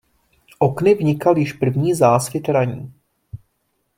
Okny vnikal již první zásvit ranní.